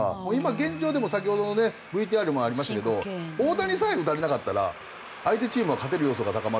現状でも先ほどのねＶＴＲにもありましたけど大谷にさえ打たれなかったら相手チームは勝てる要素が高まるんで。